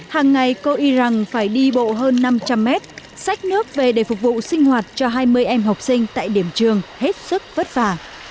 hàng ngày cô y rằng phải đi bộ hơn năm trăm linh mét sách nước về để phục vụ sinh hoạt cho hai mươi em học sinh tại điểm trường hết sức vất vả